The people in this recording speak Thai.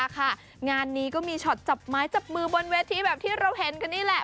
งานนี้ก็มีช็อตจับไม้จับมือบนเวทีแบบที่เราเห็นกันนี่แหละ